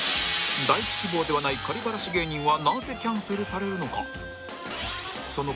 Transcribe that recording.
第１希望ではないバラシ芸人はなぜキャンセルされるのか？